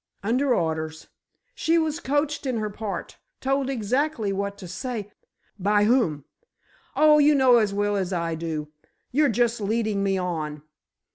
"Under orders. She was coached in her part. Told exactly what to say——" "By whom?" "Oh, you know as well as I do. You're just leading me on!